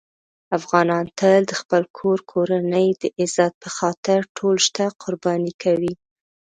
افغانان تل د خپل کور کورنۍ د عزت په خاطر ټول شته قرباني کوي.